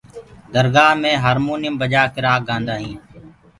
درگآه مي هآمونيم بجآ ڪآ رآڳ گآندآ هينٚ۔